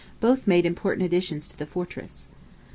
both made important additions to the fortress.